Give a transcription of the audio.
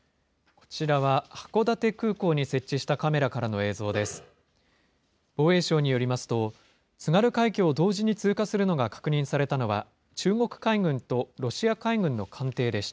こちらは、函館空港に設置したカメラからの映像です。